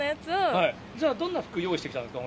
じゃあ、どんな服用意してきたんですか？